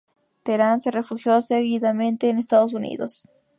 Terán se refugió seguidamente en Estados Unidos.